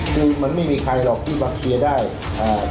คือมันไม่มีใครหรอกที่มาเคลียร์ได้อ่า